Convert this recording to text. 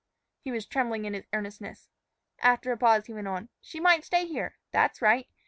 He was trembling in his earnestness. After a pause he went on. "She might stay here. That's right.